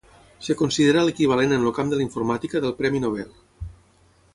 Es considera l'equivalent en el camp de la Informàtica del Premi Nobel.